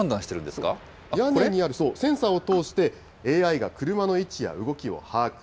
屋根にあるセンサーを通して、ＡＩが車の位置や動きを把握。